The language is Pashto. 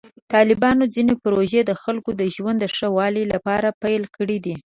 طالبانو ځینې پروژې د خلکو د ژوند د ښه والي لپاره پیل کړې دي.